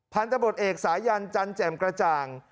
พันธบทเอกสายันจันแจ่มกระจ่าง